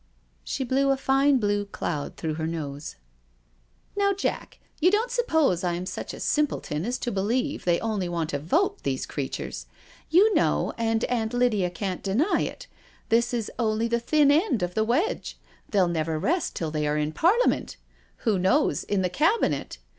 She blew a fine blue cloud through her nose :" Now, Jack, you don't suppose I am such a simple ton as to believe they only want a vote, these crea tures I You know, and Aunt Lydia can't deny it, this is only the thin end of the wedge— they'll never rest till they are in Parliament— who knows, in the Cabinet.